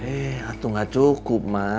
eh atuh nggak cukup ma